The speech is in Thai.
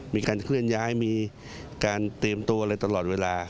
มีการเคลื่อนย้ายมีการเตรียมตัวอะไรตลอดเวลา